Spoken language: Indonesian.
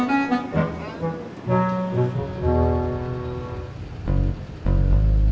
terus aku mau pergi ke rumah